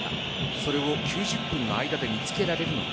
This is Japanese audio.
それを９０分の間で見つけられるのか。